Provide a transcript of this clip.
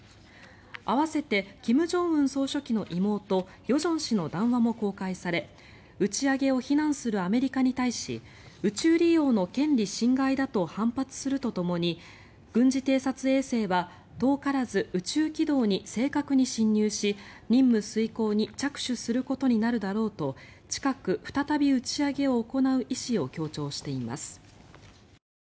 併せて金正恩総書記の妹与正氏の談話も公開され打ち上げを非難するアメリカに対し宇宙利用の権利侵害だと反発するとともに軍事偵察衛星は遠からず宇宙軌道に正確に進入し任務遂行に着手することになるだろうと近く、再び打ち上げを行う意思を強調しています。